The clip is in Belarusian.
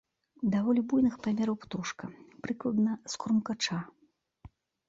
Даволі буйных памераў птушка, прыкладна з крумкача.